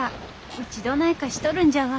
うちどないかしとるんじゃわ。